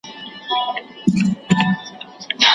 مشوره به هم مني د ګیدړانو